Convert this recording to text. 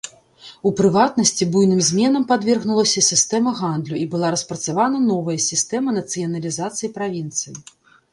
У прыватнасці, буйным зменам падвергнулася сістэма гандлю і была распрацавана новая сістэма нацыяналізацыі правінцый.